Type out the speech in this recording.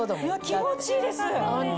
気持ちいいです！